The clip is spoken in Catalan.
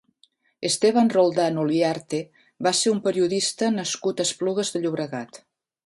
Esteban Roldán Oliarte va ser un periodista nascut a Esplugues de Llobregat.